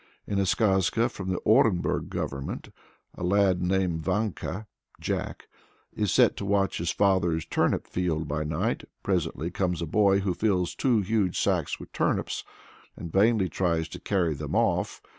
In a skazka from the Orenburg Government, a lad named Vanka [Jack] is set to watch his father's turnip field by night. Presently comes a boy who fills two huge sacks with turnips, and vainly tries to carry them off.